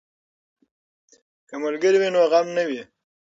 که ملګری وي نو غم نه وي.